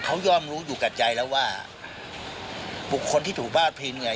เขาย่อมรู้อยู่กับใจแล้วว่าบุคคลที่ถูกพลาดพิงเหนื่อย